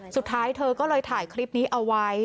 สุดท้ายเธอก็เลยถ่ายคลิปนี้เอาไว้